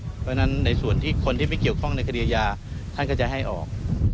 เพราะฉะนั้นในส่วนที่คนที่ไม่เกี่ยวข้องในคดีอาญาท่านก็จะให้ออก